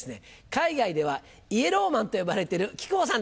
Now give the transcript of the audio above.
海外ではイエローマンと呼ばれてる木久扇さんです。